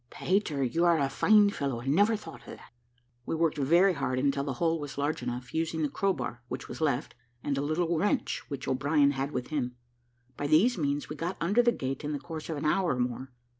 "Peter, you are a fine fellow; I never thought of that." We worked very hard until the hole was large enough, using the crowbar which was left, and a little wrench which O'Brien had with him. By these means we got under the gate in the course of an hour or more.